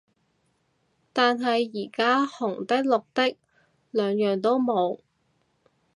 但係而家紅的綠的兩樣都冇